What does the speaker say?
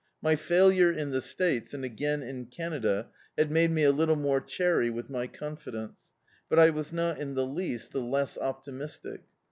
My failure in the States, and again in Canada, had made me a little more chary with my confidence, but I was not in the least the less optimistic.